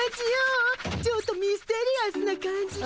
ちょっとミステリアスな感じで。